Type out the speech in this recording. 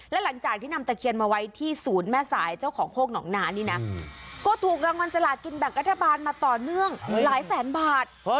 และหลังจากที่นำตะเคียนมาไว้ที่ศูนย์แม่สายเจ้าของโคกหนองนานี่นะก็ถูกรางวัลสลากินแบ่งรัฐบาลมาต่อเนื่องหลายแสนบาท